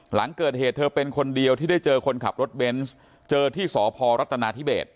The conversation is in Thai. หลังเกิดเหตุเธอเป็นคนเดียวที่ได้เจอคนขับรถเบนส์เจอที่สพรัฐนาธิเบส